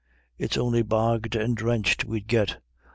It's on'y bogged and drenched we'd git.